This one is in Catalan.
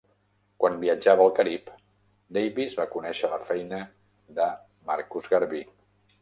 Quan viatjava al Carib, Davis va conèixer la feina de Marcus Garvey.